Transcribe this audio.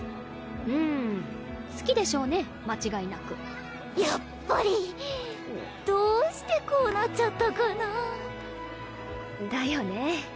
うん好きでしょうね間違いなくやっぱりどうしてこうなっちゃったかなだよね